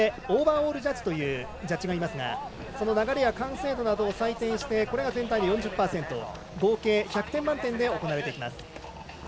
オーバーオールジャッジというジャッジがいますがその流れや完成度などを採点してこれが全体の４０％合計１００点満点で行われていきます。